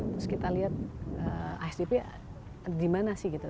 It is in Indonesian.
terus kita lihat isdp di mana sih gitu